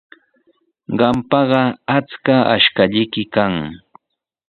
Qampaqa achka ashkallayki kan.